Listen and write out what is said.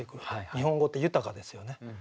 日本語って豊かですよね。